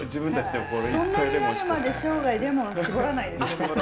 そんなになるまで生涯レモン搾らないですよね。